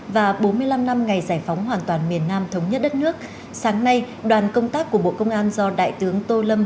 và bốn mươi năm năm ngày giải phóng hoàn toàn miền nam thống nhất đất nước sáng nay đoàn công tác của bộ công an do đại tướng tô lâm